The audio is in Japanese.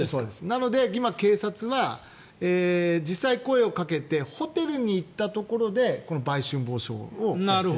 なので今、警察は実際、声をかけてホテルに行ったところでこの売春防止法を。